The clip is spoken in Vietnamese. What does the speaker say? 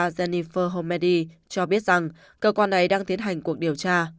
jennifer homedy cho biết rằng cơ quan này đang tiến hành cuộc điều tra